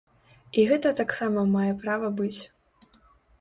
І гэта таксама мае права быць.